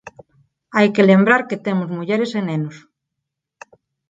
hai que lembrar que temos mulleres e nenos.